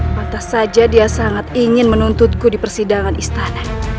pantas saja dia sangat ingin menuntutku di persidangan istana